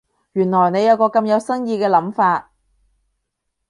原來你有個咁有新意嘅諗法